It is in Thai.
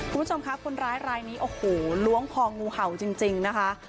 คุณผู้ชมคะคนร้ายรายนี้โอ้โหล้วงคองูเห่าจริงนะคะ